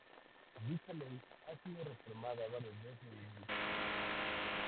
Dicha ley ha sido reformada varias veces desde entonces.